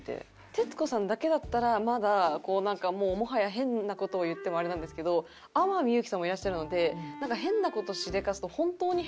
徹子さんだけだったらまだもはや変な事を言ってもあれなんですけど天海祐希さんもいらっしゃるのでなんか変な事をしでかすと。